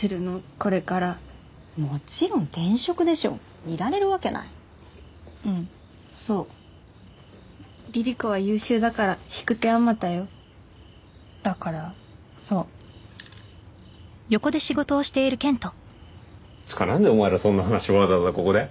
これからもちろん転職でしょいられるわけないうんそうリリ子は優秀だから引く手あまたよだからそうつうかなんでお前らそんな話わざわざここで？